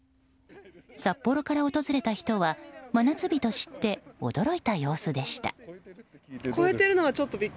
札幌から訪れた人は真夏日と知って驚いた様子でした。